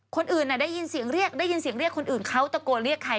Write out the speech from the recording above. คนอื่นได้ยินเสียงเรียกคนอื่นเขาตะโกนเรียกใคร